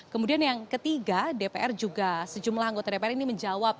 kemudian yang ketiga dpr juga sejumlah anggota dpr ini menjawab